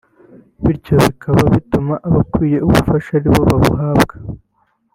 bityo bikaba bituma abakwiye ubufasha aribo babuhabwa